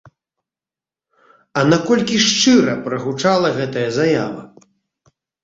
А наколькі шчыра прагучала гэтая заява?